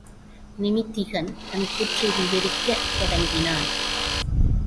நிமித்திகன் தன் கூற்றை விவரிக்கத் தொடங்கினான்.